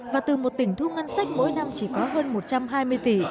và từ một tỉnh thu ngân sách mỗi năm chỉ có hơn một trăm hai mươi tỷ